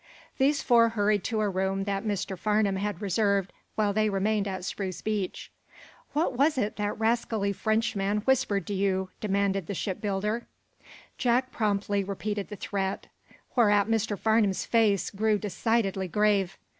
These four hurried to a room that Mr. Farnum had reserved while they remained at Spruce Beach. "What was it that rascally Frenchman whispered to you?" demanded the shipbuilder. Jack promptly repeated the threat, whereat Mr. Farnum's face grew decidedly grave.